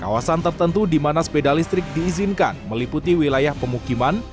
kawasan tertentu di mana sepeda listrik diizinkan meliputi wilayah pemukiman